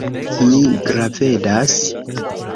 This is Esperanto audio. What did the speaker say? Mi gravedas.